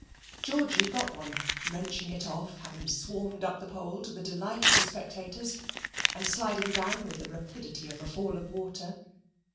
Georgy got one, wrenching it off, having swarmed up the pole to the delight of the spectators, and sliding down with the rapidity of a fall of water.